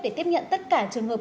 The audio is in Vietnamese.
để tiếp nhận tất cả trường hợp